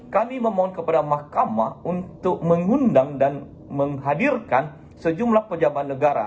kami memohon kepada mahkamah untuk mengundang dan menghadirkan sejumlah pejabat negara